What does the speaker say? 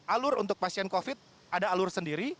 alur untuk pasien covid sembilan belas ada alur sendiri